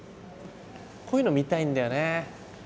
こういうの見たいんだよね。